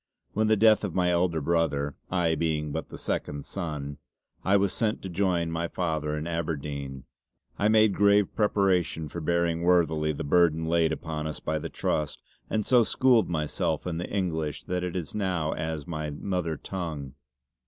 When on the death of my elder brother, I being but the second son, I was sent to join my father in Aberdeyne, I made grave preparation for bearing worthily the burden laid upon us by the Trust and so schooled myself in the English that it is now as my mother tongue.